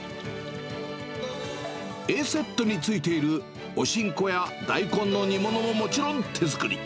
Ａセットについているおしんこや大根の煮物ももちろん手作り。